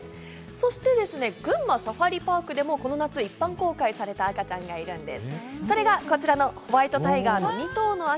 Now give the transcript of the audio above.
そして群馬サファリパークでも、この夏、一般公開された赤ちゃんがいるんです。